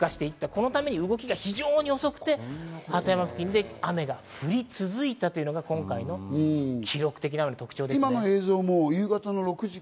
このために動きが非常に遅くて鳩山付近で雨が降り続いたというのが今回の記録的な雨の特徴ですね。